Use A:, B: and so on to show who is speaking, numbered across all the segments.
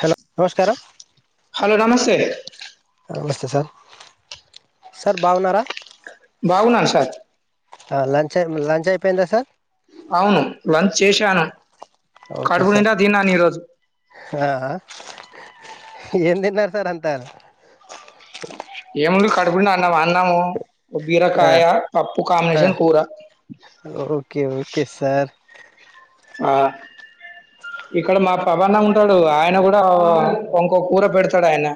A: Hello నమస్కారం
B: hello నమస్తే
A: స సార్ సార్ బాగున్నారా
B: బాగున్నాను సార్
A: ఆ లంచ్ లంచ్ అయిపోయిందా సార్
B: అవును లంచ్ చేశాను
A: ఓకే
B: కడుపు
A: సార్
B: నిండా తిన్న ఈ రోజు
A: ఆ ఏం తిన్నారు సార్ అంతా
B: ఏముంది కడునిండా అన్నమ్ అన్నము
A: ఆ
B: బీరకాయ పప్పు
A: ఆ
B: కాంబినేషన్ కూర
A: ఓకే ఓకే సార్
B: ఆ ఇక్కడ మా పవన్న ఉంటాడు ఆయన కూడా ఇంకోక కూర పెడతాడు ఆయన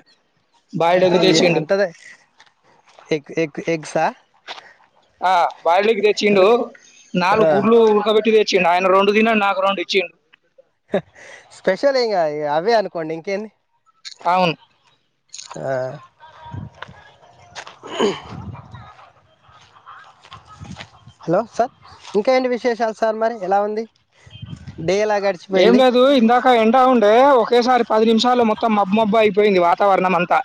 B: బాయిల్డ్ ఎగ్
A: అయి
B: తెచ్చిండు
A: అంతదే ఎగ్ ఎగ్ హ
B: ఆ బాయల్ ఎగ్ తెచ్చిండు.
A: ఓకే. ఆ
B: నాలుగు గుడ్లు ఉడకబెట్ తెచ్చ తెచ్చి ఆయన రెండు తిని నాకు రెండు ఇచ్చిండు
A: స్పెషల్ ఇంగ అవే అనుకోండి ఇంకేంది
B: అవును
A: ఆ హలో సార్ ఇంకా ఏంటి విశేషాలు సార్ మరి ఎలా ఉంది. డే ఎలా
B: ఏం
A: గడిచిపోయింది
B: లేదు ఇందాక ఎండ ఉండే ఒక ఒకేసారి పది నిమిషాల్లో మొత్తం మబ్ మబ్ అయిపోయింది వాతావరణం అంతా.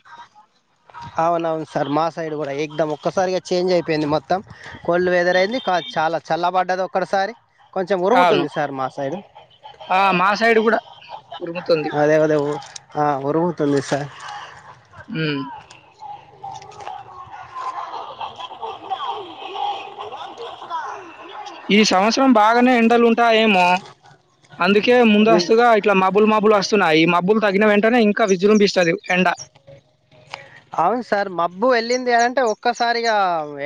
A: అవున అవును సార్ మా సైడ్ కూడా ఏక్దం ఒక్కసారిగా చేంజ్ అయిపోయింది మొత్తం. కోల్డ్ వెదర్ అయింది కా చాలా చల్ల పడ్డది ఒక్కటిసారి కొంచెం
B: అవును
A: ఉరుముతుంది సార్ మా సైడు
B: ఆ మా సైడ్ గూడా ఉరుముతుంది.
A: అదే అదేఊ ఆ ఉరుగుతుంది సార్
B: ఉ ఈ సంవత్సరం బాగనే ఎండలు ఉంటా ఏమో అందుకే
A: ఉం.
B: ముందస్తుగా ఇట్లా మబ్ మబ్బులు మబ్బులు వస్తున్నాయి. ఈ మబ్బులు తగ్గిన వెంటనే ఇంకా విజృంభిస్తది ఎండ.
A: అవును సార్ మబ్బు వెళ్ళింది అంటే ఒక్కసారిగా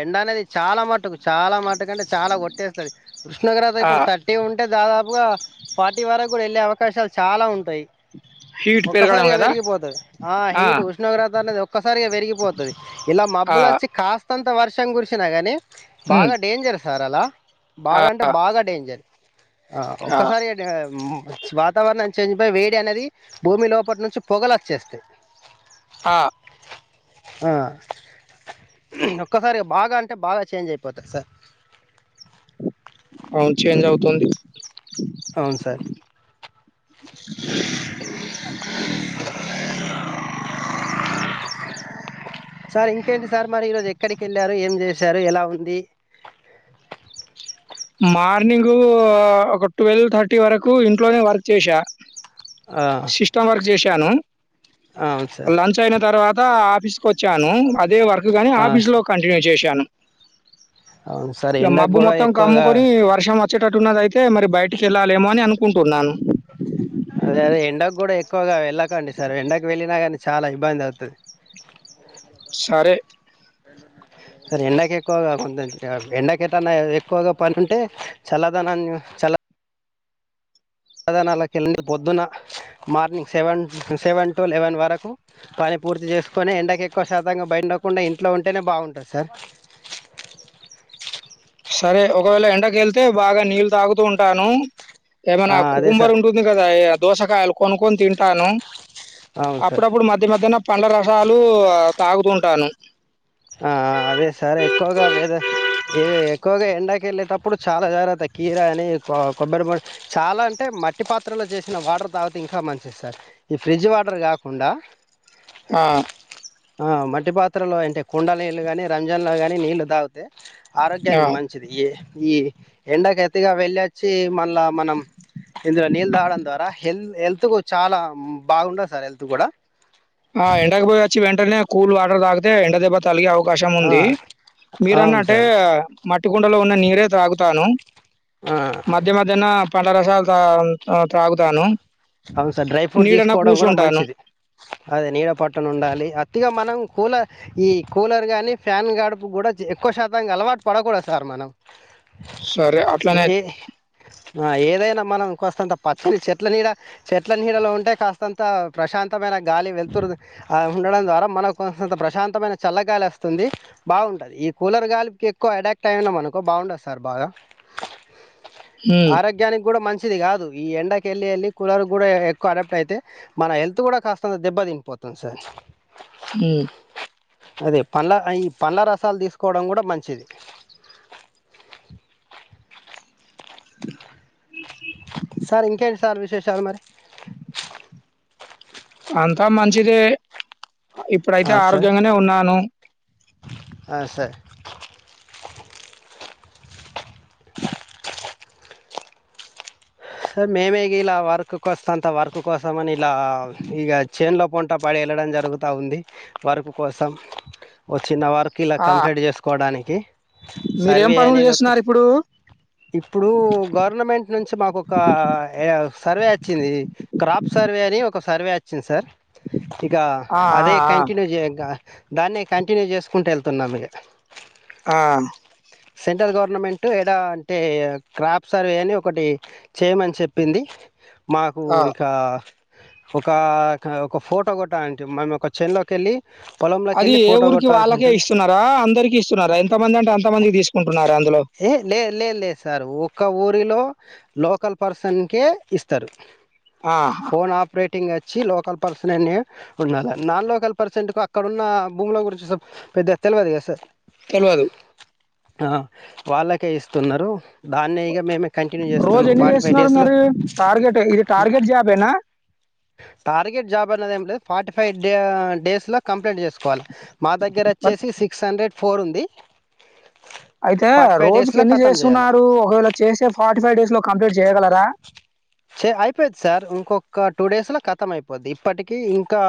A: ఎండ అనేది చాలా మటుకు చాలా మటుకు అంటే చాలా కొట్టేస్తది. ఉష్ణోగ్రత
B: ఆ!
A: ఇప్పుడు థర్టీ ఉంటే దాదాపుగా ఫార్టీ వరకు కూడా వెళ్ళే అవకాశాలు చాలా ఉంటాయి.
B: హీట్ పెరగడం
A: ఒక్కసారిగా
B: గదా!
A: పెరిగిపోతది ఆ హీట్ ఉష్ణోగ్రత అనేది ఒక ఒక్కసారిగా పెరిగిపోతది. ఇలా
B: ఆ!
A: మబ్బులు వచ్చి కాస్తంత వర్షం కురిసినా కానీ
B: హ్మ్.
A: బాగా డేంజర్ సార్ అలా
B: ఆ!
A: బాగాంటే బాగా డేంజర్ ఆ ఒక్కసారి అనే ఉం వాతావరణం చేంజ్ పయి వేడి అనేది భూమి లోపటి నుంచి పొగలచ్చేస్తాయి.
B: ఆ
A: ఆ ఒక్కసారి బాగా అంటే బాగా చేంజ్ అయిపోతది సార్
B: అవును చేంజ్ అవుతుంది
A: అవును సార్ సార్ ఇంకేంటి సార్ మరి ఈరోజు ఎక్కడికి వెళ్ళారు ఏం చేశారు ఎలా ఉంది.
B: మార్నింగు ఒక ట్వెల్వ్ థర్టీ వరకు ఇంట్లోనే వర్క్ చేసా
A: ఆ
B: సిస్టమ్ వర్క్ చేశాను
A: అవును సార్
B: లంచ్ అయిన తర్వాత ఆఫీస్కి వచ్చాను అదే వర్క్ కానీ
A: ఆ
B: ఆఫీస్లో
A: స-
B: కంటిన్యూ చేశాను
A: అవును సార్
B: ఇక
A: ఎండకు
B: మబ్బు
A: కూడా
B: మొత్తం
A: ఎక్కువగా
B: కమ్ముకొని వర్షం వచ్చేటట్టున్నది అయితే మరి బయటికి వెళ్ళాలేమో అని అనుకుంటున్నాను
A: అదే అద ఎండకు కూడా ఎక్కువగా వెళ్ళకండి సార్ ఎండకు వెళ్ళినా కానీ చాలా ఇబ్బంది అవుతది.
B: సరే
A: సరే ఎండాకి ఎక్కువగా కొ ఎండకేటన్నా ఎక్కువగా పని ఉంటే చల్లద చ చల్ల చల్ల దనాల క వెళ్ పొద్దున మార్నింగ్ సెవెన్ టు లెవెన్ వరకు పని పూర్తి చేసుకొని ఎండకు ఎక్కువ శాతంగా బయండకుండా ఇంట్లో ఉంటేనే బాగుంటుంది సార్
B: సరే ఒకవేళ ఎండకి వెళ్తే బాగా నీళ్ళు తాగుతూ ఉంటాను ఏమైనా
A: అదే
B: కుకుంబర్
A: సార్
B: ఉంటుంది కదా దోసకాయలు కొనుక్కొని తింటాను
A: అవును సార్
B: అప్పుడప్పుడు మధ్య మధ్యన పండ్ల రసాలు తాగుతుంటాను.
A: ఆ అదే సరే ఎక్కువగా వేద ఎక్కువగా ఎండాకి వెళ్ళేటప్పుడు చాలా జాగ్రత్త కీర అని కొ కొబ్బరి బొ చాలా అంటే మట్టి పాత్రలో చేసిన వాటర్ తాగితే ఇంకా మంచిది సార్ ఈ ఫ్రిడ్జ్ వాటర్ కాకుండా
B: ఆ,
A: ఆ మట్టి పాత్రలో అంటే కుండల నీళ్లు గాని రంజన్లో గానీ నీళ్ళలు తాగితే
B: ఆ,
A: ఆరోగ్యానికి మంచిది ఈ ఈ ఎండకి ఎత్తిగా వెళ్ళొచ్చి మళ్ళ మనం ఇందులో నీళ్ళు తాగడం ద్వారా హెల్త్ కు చాలా బాగుండదు సార్ హెల్త్ కూడా
B: ఆ ఎండకి పోయి వచ్చి వెంటనే క కూల్ వాటర్ దగికతే ఎండ దే తలిగే అవకాశం
A: ఆ
B: ఉంది
A: అవును
B: మీరన్నట్టే
A: సార్
B: మట్టి కుండలో ఉన్న నీరే తాగుతాను.
A: ఆ
B: మధ్య మధ్యన పండ్ల రసాలు త త్రాగుతాను.
A: అవును సార్ డ్రై ఫ్రూట్
B: నీడన
A: తీసుకోవడం కూడా
B: కూర్చుంటాను
A: మంచిది. అదే నీడ పట్టను ఉండాలి అతిగా మనం ఈ కూలర్ గాని ఫ్యాన్ గడుపు కూడా ఎక్కువ శాతాంగా అలవాటు పడకూడదు సార్ మనం
B: సరే అట్లనే
A: ఏ ఏదైనా మనం కాస్తంత పచ్చని చెట్ల నీడ చెట్ల నీళ్ళలో ఉంటే కాస్తంత ప్రశాంతమైన గాలి వెలుతురు ఉండడం ద్వారా మనకు అంతా ప్రశాంతమైన చల్లగాలి వస్తుంది బాగుంటది ఈ కూలర్ గాలికి ఎక్కువ అడాక్ట్ అయినా మనకో బాగుండదు సార్ బాగా
B: హ్మ్.
A: ఆరోగ్యానికి కూడా మంచిది కాదు ఈ ఎండకేల్లే కూలర్ కూడా ఎక్కువ అడాప్ట్ అయితే మన హెల్త్ కూడా కాస్తంత దెబ్బ తీన్ పోతుంది సార్
B: ఉం
A: అదే పండ్ల ఈ పండ్ల రసాలు తీసుకోవడం కూడా మంచిది సార్ ఇంకేంటి సార్ విశేషాలు మరి
B: అంతా మంచిదే ఇప్పుడైతే ఆరోగ్యంగానే ఉన్నాను
A: అ సార్ సార్ మేమే ఇలా వర్క్ కో వస్తాంత వర్క్ కోసం అని ఇలా ఇక చేన్ లో పోంటా పడేలా వెళ్లడం జరుగుత ఉంది వరకు కోసం వచ్చిన వారు వర్క్ ఇలా
B: ఆ!
A: కంప్లీట్ చేసుకోవడానికి
B: మీరేం
A: సర్వే
B: పనులు
A: అనేది ఒక
B: జేస్తున్నారిప్పుడు?
A: ఇప్పుడు గవర్నమెంట్ నుంచి మాకు ఒక సర్వే వచ్చింది క్రాప్ సర్వే అని ఒక సర్వే వచ్చింది సార్ ఇకా
B: ఆ! ఆ!
A: అదే కంటిన్యూ చెయి ఇంక దాన్నే కంటిన్యూ చేసుకుంటూ వెళ్తున్నాం ఇక
B: ఆ
A: సెంట్రల్ గవర్నమెంట్ ఎడా అంటే క్రాప్ సర్వే అని ఒకటి చేయమని చెప్పింది మాకు
B: ఆ! ఆ!
A: ఇక ఒక ఒక ఫోటో కొట్టాలి అంటే మనము ఒక చే లోకి వెళ్ళి పొలంలోకి
B: అది
A: వెళ్ళి
B: ఏ
A: ఫోటో
B: ఊరికి
A: కొట్టాల్సి
B: వాళ్ళకే
A: ఉంటుంది
B: ఇస్తున్నారా అందరికి ఇస్తున్నారా ఎంతమంది అంటే అంతమందికి తీసుకుంటున్నారా అందులో
A: ఏ లేదు లేదు లేదు సార్ ఒక్క ఊరిలో లోకల్ పర్సన్కే ఇస్తారు
B: ఆహా!
A: ఫోన్ ఆపరేట్ టింగ్ వచ్చి లోకల్ పర్సన్ అని ఉండ నాన్ లోకల్ పర్సన్ అక్కడ ఉన్న భూముల గురించి పెద్ద గ తెలువది కద సార్
B: తెలవదు
A: ఆ వాళ్ళకే ఇస్తున్నారు దాన్నే ఇగ మేమే కంటిన్యూ చేస్తున్నాం
B: రోజెన్ని
A: వాటి
B: మరి టార్గెట్ ఇది టార్గెట్ జాబేనా
A: టార్గెట్ జాబ్ అన్నది ఏం లేదు ఫార్టీ ఫైవ్ డే డేస్ లొ కంప్లయింట్ చేసుకో కోవాల మా దగ్గర
B: బట్
A: వచ్చేసి సిక్స్ హండ్రెడ్ ఫోర్ ఉంది
B: అయితే
A: ఫార్టీ ఫైవ్
B: రోజుకి
A: డేస్లో
B: ఎన్ని
A: ఖతం చేయాలి
B: చేస్తున్నారు ఒకవేళ చేసే ఫార్టీ ఫైవ్ డేస్ లో కంప్లీట్ చేయగలరా
A: చె అయిపోది సార్ ఇంకొక్క టూ డేస్లో ఖతం అయిపోద్ది ఇప్పటికీ ఇంకా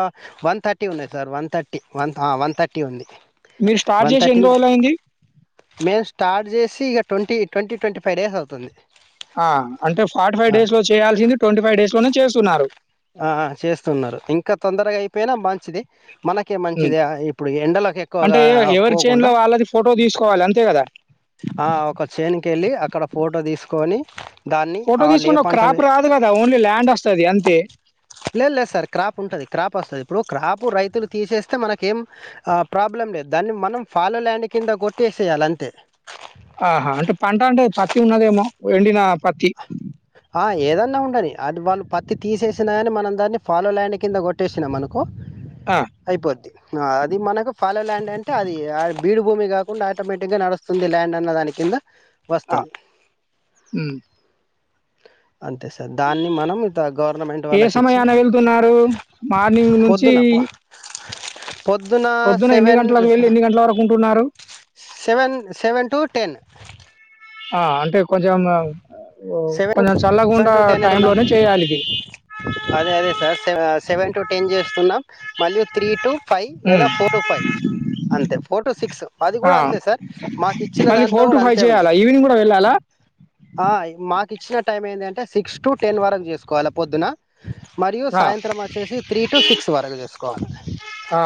A: వన్ థర్టీ ఉన్నయి సార్ వన్ థర్టీ ఆ వన్ వన్ థర్టీ ఉంది
B: మీరు స్టార్ట్
A: వన్
B: జేసి
A: థర్టీ
B: ఎన్ని రోజులయింది?
A: మేమ్ స్టార్ట్ చేసి ఇగ ట్వంటీ ట్వంటీ ఫైవ్ డేస్ అవుతుంది
B: ఆ అంటే ఫార్టీ ఫైవ్ డేస్ లో చేయాల్సింది ట్వంటీ ఫైవ్ డేస్ లోనే చేస్తున్నారు
A: ఆ చేస్తున్నారు ఇంకా తొందరగా అయిపోయినా మంచిది మనకే
B: హ్మ్.
A: మంచిది ఇప్పుడు ఎండల కి
B: అంటే
A: ఎక్కువగా
B: ఎ ఎవరి
A: పోకుండా
B: చేన్‌లో వాళ్ళది ఫోటో తీసుకోవాలి అంతే కదా!
A: ఆ ఒక చేన్కి వెళ్ళి అక్కడ ఫోటో తీసుకొని దాన్ని
B: ఫోటో
A: వాళ్ళు ఏ
B: తీసుకుంటె
A: పంట వే
B: క్రాప్ రాదు కదా ఓన్లీ ల్యాండ్ వస్తది అంతే
A: లేదు లేదు సార్ క్రాప్ ఉంటుంది క్రాప్ వస్తుంది ఇప్పుడు క్రాపు రైతులు తీసేస్తే మనకి ఏం ప్రాబ్లం లేదు దాన్ని మనం ఫాలో ల్యాండ్ కింద కొట్టి చేసేయాలంతే
B: ఆహా అంటే పంట అంటే పత్తి ఉన్నదేమో ఎండిన పత్తి
A: ఆ ఏదన్నా ఉండని అది వాళ్ళు పత్తి తీసేసినా కాని మనం దాన్ని ఫాలో ల్యాండ్ కింద కొట్టేసినా మనుకో
B: ఆ!
A: అయిపోద్ది అది మనకు ఫాలో ల్యాండ్ అంటే అది బీడు భూమి కాకుండా ఆటోమేటిక్ గా నడుస్తుంది ల్యాండ్ అన్న దాని కింద
B: ఆ
A: వస్తుంది
B: ఉ
A: అంతే సార్ దాన్ని మనం ఇంత గవర్నమెంట్
B: ఏ
A: వాళ్ళకి ఇచ్చి
B: సమయాన వెళ్తున్నారు మార్నింగ్ నుంచి
A: పొద్దున
B: ఇ
A: పొ- పొద్దున సెవెన్
B: వెళ్లి ఎన్ని గంటల వరకు ఉంటున్నారు?
A: సెవెన్ సెవెన్ టు టెన్
B: ఆ అంటే కొంచెం
A: సెవెన్ టు
B: కొంచెం
A: సెవెన్
B: చల్లగుండా
A: టు టెన్
B: టై
A: అవుతున్నాం
B: లోనే చేయాలి ఇది
A: అదే అదే సార్ సె సెవెన్ టు టెన్ చేస్తున్నాం మళ్ళి త్రీ టు ఫైవ్ లేదా
B: హ్మ్.
A: ఫోర్ టు ఫైవ్ అంతే ఫోర్ టు సిక్స్ అది
B: ఆ!
A: కూడా అంతే సార్ మాకు ఇచ్చిన
B: మళ్ళీ
A: దాంట్లో కూడా అంతే ఉంది
B: చేయాలా? ఈవినింగ్ గూడా వెళ్ళాలా?
A: ఆ మాకు ఇచ్చిన టైం ఏందంటే సిక్స్ టు టెన్ వరకు చేసుకోవాలి పొద్దున మరియు
B: ఆ!
A: సాయంత్రం వచ్చేసి త్రీ టు సిక్స్ వరకు చేసుకోవాలి
B: ఆ!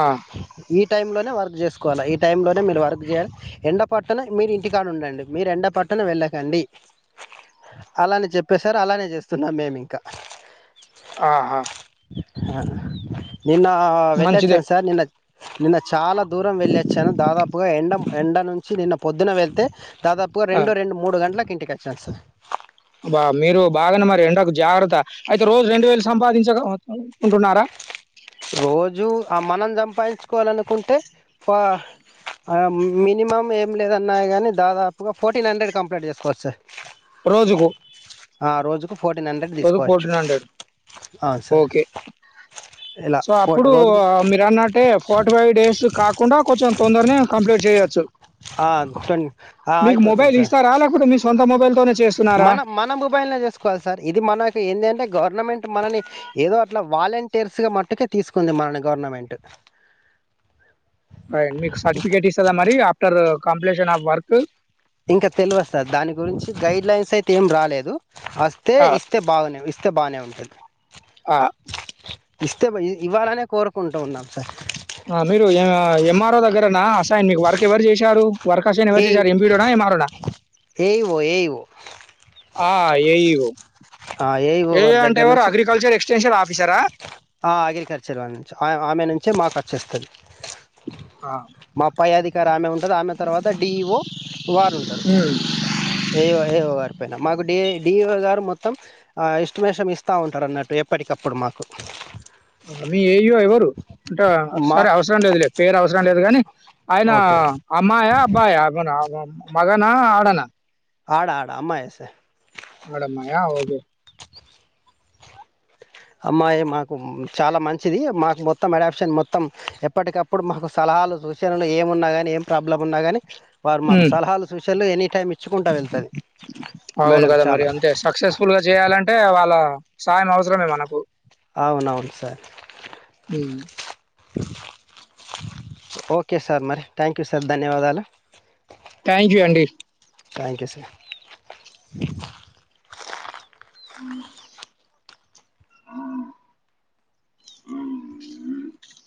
A: ఈ టైం లోనే వర్క్ చేసుకోవాల ఈ టైమ్ లోనే మీరు వర్క్ చేయ్యాలి ఎండ పట్టున మీరు ఇంటికాడ ఉండండి మీరు ఎండ పట్టున వెళ్ళకండి అలానే చెప్పేశారు అలానే చేస్తున్నాం మేమింకా
B: ఆహా
A: ఆ నిన్న
B: మంచిదే.
A: వెళ్ళొచ్చాను సార్ నిన్న నిన్న చాలా దూరం వెళ్ళొచ్చాను దాదాపుగా ఎండ ఎండ నుంచి వచ్చి నిన్న పొద్దున వెళ్తే దాదాపుగా
B: ఆ!
A: రెండు రెండు మూడు గంటలకి ఇంటికి వచ్చినా సార్
B: బా మీరు బాగానే మరి ఎండక జాగ్రత్త అయితే రోజు రెండు వేలు సంపాదించకకుంటున్నారా
A: రోజు ఆ మనం సంపాదించుకోవాలనుకుంటే పా మినిమం ఏమి లేదన్నా గాని దాదాపుగా ఫోర్టీన్ హండ్రెడ్ కంప్లీట్ చేసుకోవచ్చ సార్
B: రోజుకు
A: రోజుకు ఫోర్టీన్ హండ్రెడ్
B: రోజుకు
A: తీసుకోవచ్చువు ఆ సార్
B: ఓకే.
A: ఇలా
B: సో
A: ఫో
B: అప్పుడు
A: రోజుకు
B: మీరు అన్నట్టే ఫర్టీ ఫైవ్ డేస్ కాకుండా కొంచెం తొందరనే కంప్లీట్ చేయచ్చు
A: ట్వంటీ
B: మీకు మొబైల్
A: అయిపోతుంది సార్
B: ఇస్తా ర లేేకపోతే మీ సొంత మొబైల్ తోనే
A: మన మన మొబైల్ లో చేసుకోవాలి సార్ ఇది మన ఇ ఏంటంటే గవర్నమెంట్ మనని ఏదో అట్లా వాలంటీర్స్గా మట్టుకే తీసుకుంది మనని గవర్నమెంట్ [inaudible]
B: అ మీకు సర్టిఫికేట్ ఇస్తందా మరి ఆఫ్టర్ కంప్లీషన్ ఆఫ్ వర్క్
A: ఇంకా తెలివదు సార్ దాని గురించి గైడ్లైన్స్ అయితే ఏం రాలేదు వస్తే
B: ఆ!
A: ఇస్తే బాగునే స్తే బాగానే ఉంటది
B: ఆ
A: ఇస్తే ఇవ్వాలనే కోరుకుంటూ ఉన్నాం సార్
B: ఆ మీరు ఎంఆర్ఓ దగ్గరనా అసయన్ మీకు వర్క్ ఎవరు చేశారు వర్క్ ఎవరు అసైన్
A: ఏ
B: చేసారు ఎంపీడనా ఏఎంఆర్ఓ నా
A: ఏఓ ఏఓ
B: ఆ ఏ ఇ ఓ
A: ఏఓ వారి
B: అంటే ఏ
A: దగ్గర
B: ఇ ఓ ఎవరు
A: నుంచి
B: అగ్రికల్చర్ ఎక్స్ట స్పెషల్ ఆఫీసరా
A: ఆ అగ్రికల్చర్ వాళ్ళ నుంచి ఆమె నుంచే మాకు వచ్చేస్తది
B: ఆ!
A: మా పై అధికారం ఆమె ఉంటది ఆమె తర్వాత డిఇ ఓ వారు ఉంటారు
B: హ్మ్.
A: ఏ ఏవో గారి పైన మాకు డిఇ ఓ గారు మొత్తం ఎస్టిమేషన్ ఇస్తా ఉంటారు అన్నట్టు ఎప్పటికప్పుడు మాకు
B: మీ ఏఇయో ఎవరు అంటే
A: మా
B: సరే అవసరం లేదు లే పేరు అవసరం లేదు గాని ఆయనా
A: ఓకే
B: అమ్మాయా అబ్బాయా అమ్మనా మగనా ఆడనా
A: ఆడా ఆడా అమ్మా ఎసార్
B: ఆడమ్మాయా ఓగే
A: అమ్మాయి మాకు చాలా మంచిది మాకు మొత్తం అడాప్షన్ మొత్తం ఎప్పటికప్పుడు మాకు చాలా సలహాలు సూచనలు ఏమున్నాగాని ఏం ప్రాబ్లమ్ ఉన్నాగానీ వారు మాకు
B: ఉమ్,
A: సలహాలు సూచనలు ఎనీ టైమ్
B: అవును గదా మరి
A: చాలా
B: అంతే సక్సెస్ఫుల్ గా చేయాలంటే వాళ్ళ సాయం అవసరమే మనకు
A: అవునవును సార్ ఓకే సార్ మరి థ్యాంక్ యూ సార్ ధన్యవాదాలు
B: థ్యాంక్ యూ అండీ
A: థ్యాంక్ యూ సార్
B: ఉమ్ [inaudible] [inaudible]